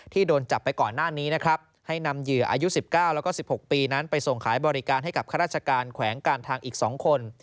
โดนจับไปก่อนหน้านี้นะครับให้นำเหยื่ออายุ๑๙แล้วก็๑๖ปีนั้นไปส่งขายบริการให้กับข้าราชการแขวงการทางอีก๒คน